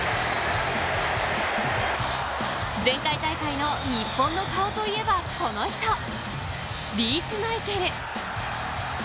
前回大会の日本の顔といえばこの人、リーチ・マイケル。